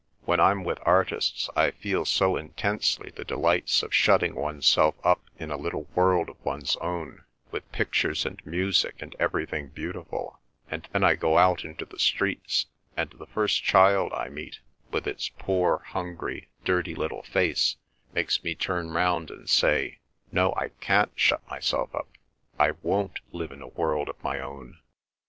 "When I'm with artists I feel so intensely the delights of shutting oneself up in a little world of one's own, with pictures and music and everything beautiful, and then I go out into the streets and the first child I meet with its poor, hungry, dirty little face makes me turn round and say, 'No, I can't shut myself up—I won't live in a world of my own.